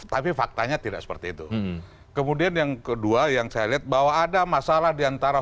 tapi faktanya tidak seperti itu kemudian yang kedua yang saya lihat bahwa ada masalah diantara